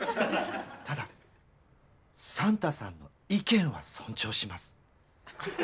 ただサンタさんの意見は尊重します。